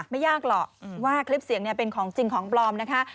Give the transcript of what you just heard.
ไม่ยากหรอกว่าคลิปเสียงเป็นของจริงของปลอมนะคะ